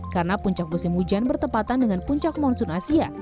karena puncak musim hujan bertepatan dengan puncak monsoon asia